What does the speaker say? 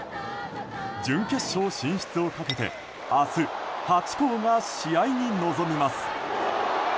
準決勝進出をかけて明日、８校が試合に臨みます。